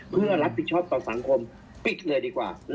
เพื่อรับผิดชอบต่อสังคมปิดเลยดีกว่า